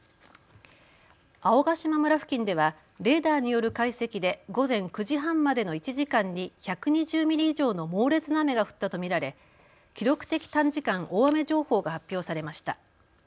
青ヶ島村付近ではレーダーによる解析で午前９時半までの１時間に１２０ミリ以上の猛烈な雨が降ったと見られ記録的短時間大雨情報が発表されました。